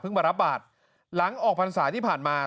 มารับบาทหลังออกพรรษาที่ผ่านมา